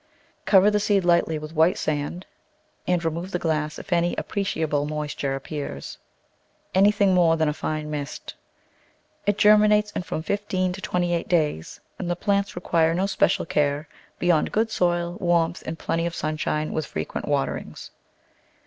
Cover the seed lightly with white sand and remove Digitized by Google Eight] gottg^gtang s* the glass if any appreciable moisture appears — any thing more than a fine mist. It germinates in from fifteen to twenty days, and the plants require no spe cial care beyond good soil, warmth, and plenty of sunshine with frequent waterings.